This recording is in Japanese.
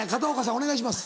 お願いします。